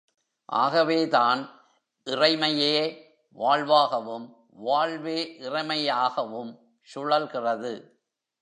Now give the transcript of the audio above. ஆகவேதான் இறைமையே வாழ்வாகவும், வாழ்வே இறைமையாகவும் சுழல்கிறது!...